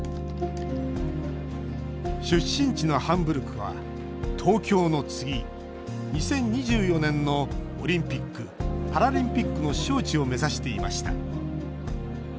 出身地のハンブルクは東京の次、２０２４年のオリンピック・パラリンピックの招致を目指していました。